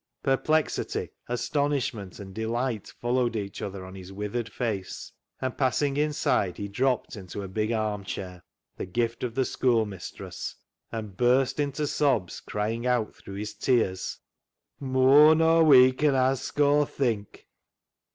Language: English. Perplexity, astonishment, and delight followed each other on his withered face, and passing inside he dropped into a big arm chair, the gift of the schoolmistress, and burst into sobs, crying out through his tears —"' Mooar nor we can ask or think.'